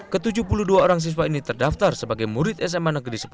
ke tujuh puluh dua orang siswa ini terdaftar sebagai murid sma negeri sepuluh